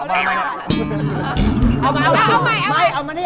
เท่าเรื่องของจริง